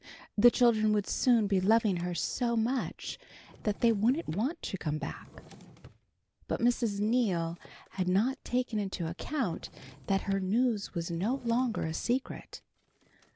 The children would soon be loving her so much that they wouldn't want to come back. But Mrs. Neal had not taken into account that her news was no longer a secret.